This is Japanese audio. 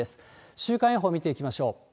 週間予報、見ていきましょう。